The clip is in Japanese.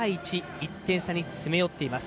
１点差に詰め寄っています。